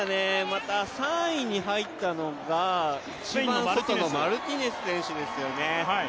また３位に入ったのが一番外のマルティネス選手ですよね。